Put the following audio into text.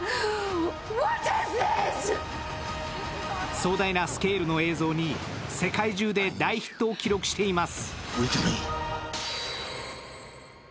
壮大なスケールの映像に世界中で大ヒットを記録しています。